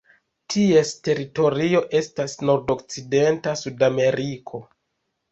Ties teritorio estas nordokcidenta Sudameriko.